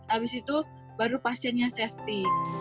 habis itu baru pasiennya safety